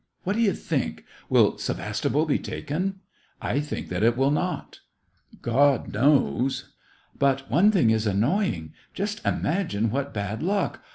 What do you think.? — will Sevastopol betaken.? I think that it will not." '* God knows !"*' But one thing is annoying. Just imagine what bad luck !